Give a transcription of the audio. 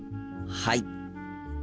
はい！